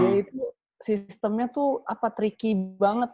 yaitu sistemnya tuh apa tricky banget